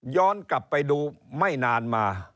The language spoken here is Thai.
ย้อนกลับไปดูไม่นานมา